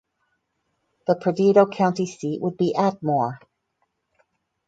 The Perdido County seat would be Atmore.